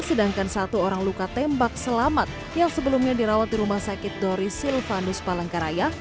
sedangkan satu orang luka tembak selamat yang sebelumnya dirawat di rumah sakit doris silvanus palangkaraya